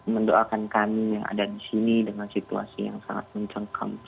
mendoakan kami yang ada di sini dengan situasi yang sangat mencengkam